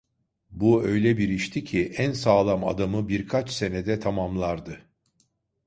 Bu öyle bir işti ki, en sağlam adamı birkaç senede tamamlardı.